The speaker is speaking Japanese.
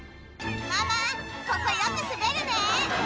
ママ、ここ、よく滑るね。